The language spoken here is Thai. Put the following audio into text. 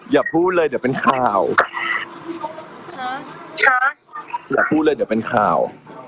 แล้วไงทำเธอเข้าโรงพยาบาล